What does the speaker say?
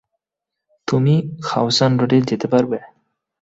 তুমি খাওসান রোডে যেতে পারবে?